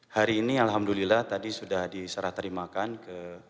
hari ini alhamdulillah tadi sudah diserah terimakan ke